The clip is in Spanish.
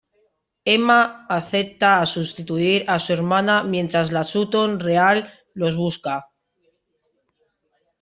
Emma accede a sustituir a su hermana mientras la Sutton real los busca.